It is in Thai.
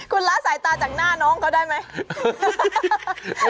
คุณละสายตาจากหน้าน้องเขาได้ไหม